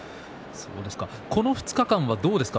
この２日間はどうですか？